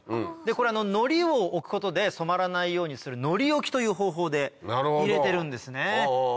これのりを置くことで染まらないようにするのり置きという方法で入れてるんですね。